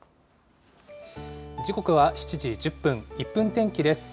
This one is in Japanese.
時刻は７時１０分、１分天気です。